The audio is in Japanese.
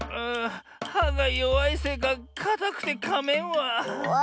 はがよわいせいかかたくてかめんわ。